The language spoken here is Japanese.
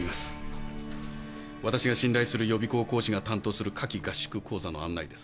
わたしが信頼する予備校講師が担当する夏期合宿講座の案内です。